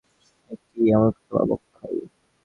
এ কী, অবলাকান্তবাবু– অক্ষয়।